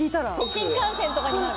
新幹線とかに。